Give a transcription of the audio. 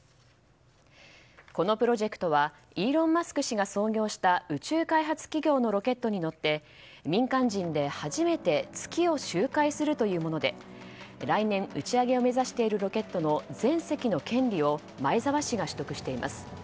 このプロジェクトはイーロン・マスク氏が創業した宇宙開発企業のロケットに乗って民間人で初めて月を周回するというもので来年、打ち上げを目指しているロケットの全席の権利を前澤氏が取得しています。